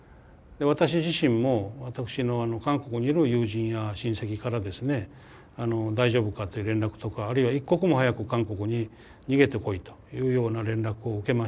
私自身も私の韓国にいる友人や親戚からですね大丈夫かっていう連絡とかあるいは一刻も早く韓国に逃げてこいというような連絡を受けました。